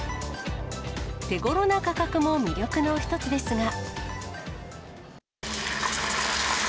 手ごろな価格も魅力の一つですが。